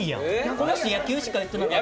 この人、野球しか言ってなかった。